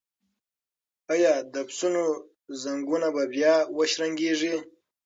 ایا د پسونو زنګونه به بیا وشرنګیږي؟